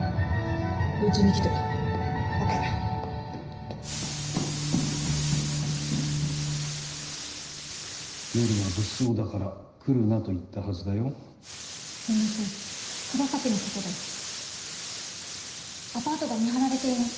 うちに来て☎ＯＫ夜は物騒だから来るなと言ったはずだよすいません黒崎のことでアパートが見張られています